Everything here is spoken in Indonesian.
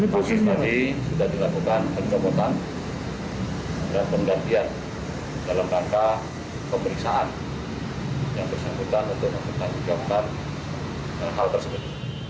pagi tadi sudah dilakukan pencobotan dan penggantian dalam rangka pemeriksaan yang tersebut untuk mencobot hal tersebut